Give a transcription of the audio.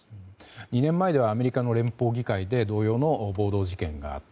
２年前はアメリカの連邦議会で暴動があった。